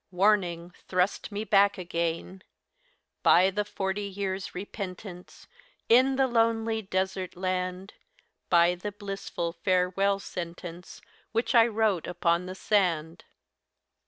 Warning, thrust me back again; By the forty years' repentance In the lonely desert land; By the blissful farewell sentence Which I wrote upon the sand!